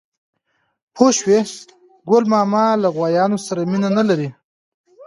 _پوه شوې؟ ګل ماما له غوايانو سره مينه نه لري.